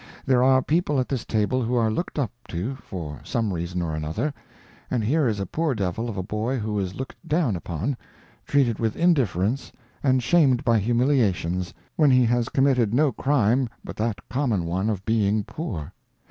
There are people at this table who are looked up to for some reason or another, and here is a poor devil of a boy who is looked down upon, treated with indifference, and shamed by humiliations, when he has committed no crime but that common one of being poor.